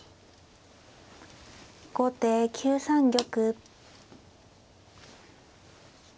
後手９三玉。